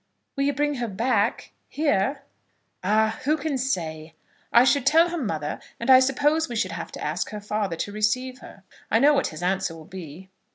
"Will you bring her back, here?" "Ah, who can say? I should tell her mother, and I suppose we should have to ask her father to receive her. I know what his answer will be."